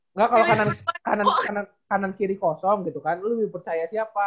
enggak kalau kanan kiri kosong gitu kan lo lebih percaya siapa